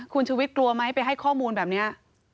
คุณชุวิตกลัวไหมไปให้ข้อมูลแบบนี้